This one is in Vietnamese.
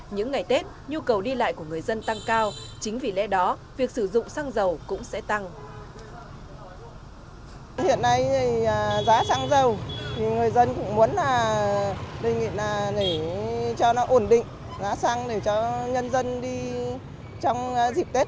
những ngày tết nhu cầu đi lại của người dân tăng cao chính vì lẽ đó việc sử dụng xăng dầu cũng sẽ tăng